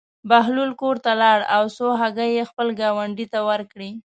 بهلول کور ته لاړ او څو هګۍ یې خپل ګاونډي ته ورکړې.